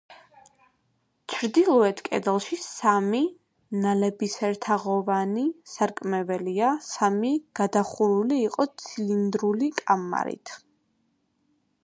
ჩრდილოეთ კედელში სამი, ნალისებრთაღოვანი სარკმელია, ნავი გადახურული იყო ცილინდრული კამარით.